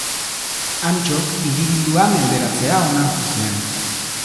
Antsok hiribildua menderatzea onartu zuen.